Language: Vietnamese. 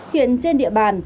hiện trên địa bàn